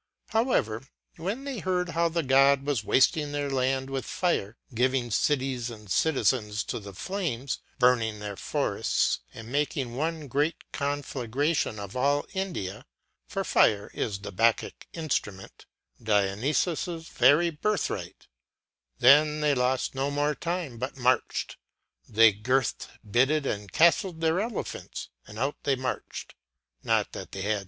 However, when they heard how the God was wasting their land with fire, giving cities and citizens to the flames, burning their forests, and making one great conflagration of all India for fire is the Bacchic instrument, Dionysus's very birthright , then they lost no more time, but armed; they girthed, bitted, and castled their elephants, and out they marched; not that they had p.